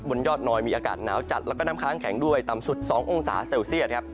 ยอดดอยมีอากาศหนาวจัดแล้วก็น้ำค้างแข็งด้วยต่ำสุด๒องศาเซลเซียตครับ